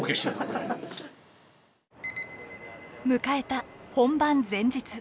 迎えた本番前日。